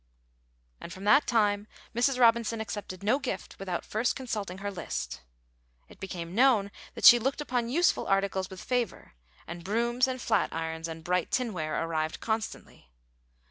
And from that time Mrs. Robinson accepted no gift without first consulting her list. It became known that she looked upon useful articles with favor, and brooms and flat irons and bright tinware arrived constantly.